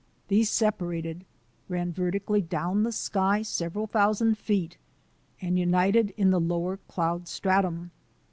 These separated, ran vertically down the sky several thousand feet, and united in the lower cloud stratum.